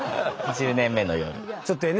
「１０年目の夜」。